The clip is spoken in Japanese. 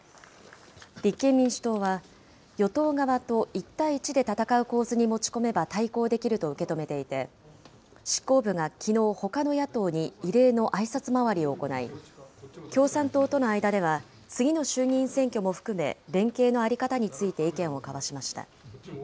立憲民主党は、与党側と１対１で戦う構図に持ち込めば対抗できると受け止めていて、執行部がきのう、ほかの野党に異例のあいさつ回りを行い、共産党との間では次の衆議院選挙も含め、連携の在り方について意見を交わしました。